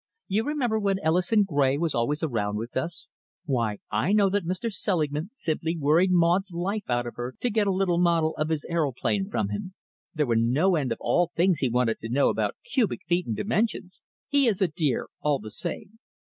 "You remember when Ellison Gray was always around with us? Why, I know that Mr. Selingman simply worried Maud's life out of her to get a little model of his aeroplane from him. There were no end of things he wanted to know about cubic feet and dimensions. He is a dear, all the same."